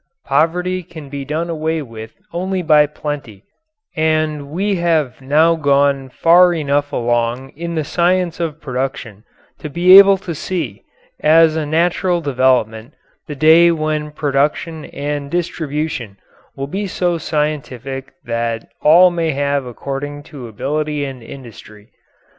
Poverty can be done away with only by plenty, and we have now gone far enough along in the science of production to be able to see, as a natural development, the day when production and distribution will be so scientific that all may have according to ability and industry.